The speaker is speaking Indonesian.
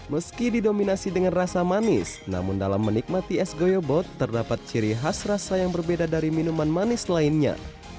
meski didominasi dengan rasa manis namun dalam menikmati es goyobot terdapat ciri khas rasa yang berbeda dari minuman manis lainnya